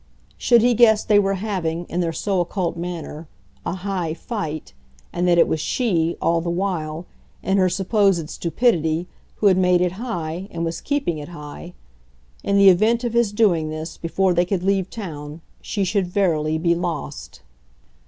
Should he guess they were having, in their so occult manner, a HIGH fight, and that it was she, all the while, in her supposed stupidity, who had made it high and was keeping it high in the event of his doing this before they could leave town she should verily be lost.